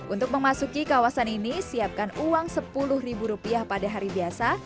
untuk memasuki kawasan ini siapkan uang sepuluh ribu rupiah pada hari biasa